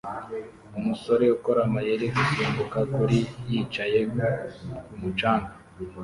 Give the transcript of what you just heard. Umusore ukora amayeri gusimbuka kuri yicaye kumu canga